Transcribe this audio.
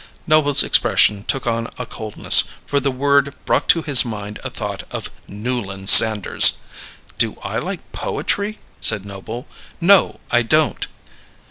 Noble's expression took on a coldness; for the word brought to his mind a thought of Newland Sanders. "Do I like poetry?" said Noble. "No, I don't."